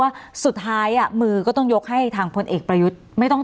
ว่าสุดท้ายอ่ะมือก็ต้องยกให้ทางพลเอกประยุทธ์ไม่ต้อง